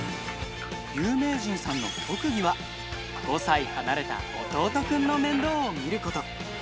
有名人さんの特技は、５歳離れた弟君の面倒を見ること。